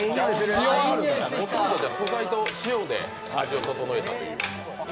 ほとんど素材と塩で味をととのえたという。